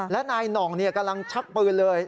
และนายหน่องกำลังชักปืนเลย